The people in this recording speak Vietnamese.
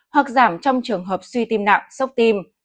hoặc giảm trong trường hợp suy tim nặng sốc tim